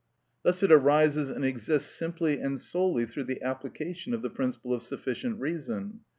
Thus it arises and exists simply and solely through the application of the principle of sufficient reason.